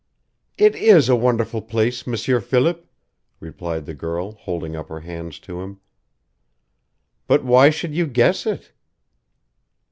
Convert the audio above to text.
"It is a wonderful place, M'sieur Philip," replied the girl, holding up her hands to him. "But why should you guess it?"